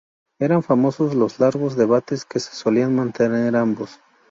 Eran famosos los largos debates que solían mantener ambos.